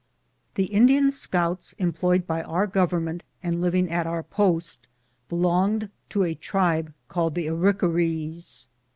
The Indian scouts employed by our government and living at onr post belonged to a tribe called the Arick arees.